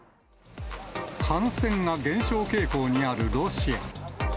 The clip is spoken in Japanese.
感染が減少傾向にあるロシア。